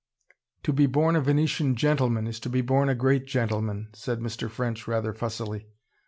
"To be born a Venetian GENTLEMAN, is to be born a great gentleman," said Mr. French, rather fussily.